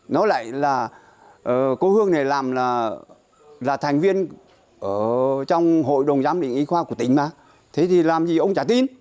nó lại là cô hương này làm là thành viên trong hội đồng giám định y khoa của tỉnh mà thế thì làm gì ông trả tin